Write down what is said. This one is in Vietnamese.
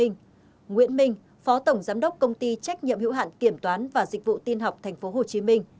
nguyễn minh phó tổng giám đốc công ty trách nhiệm hữu hạn kiểm toán và dịch vụ tin học tp hcm